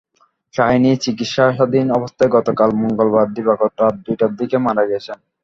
শাহিনা চিকিৎসাধীন অবস্থায় গতকাল মঙ্গলবার দিবাগত রাত দুইটার দিকে মারা গেছেন।